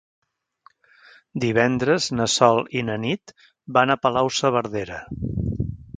Divendres na Sol i na Nit van a Palau-saverdera.